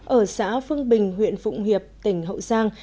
ở xã phương bình huyện phụng hiệp tỉnh hậu giang